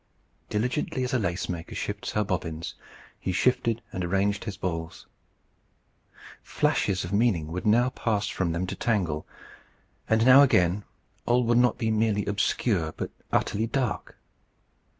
Diligently as a lace maker shifts her bobbins, he shifted and arranged his balls. Flashes of meaning would now pass from them to Tangle, and now again all would be not merely obscure, but utterly dark.